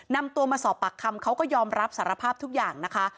นำตัวมาสอบปากคำเขาก็ยอมรับสารภาพทุกอย่างนะคะ